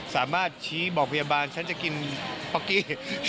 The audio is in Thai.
สามารถชี้บอกพยาบาลฉันจะกินป๊อกกี้